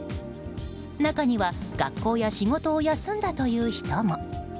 中には学校や仕事を休んだという人も。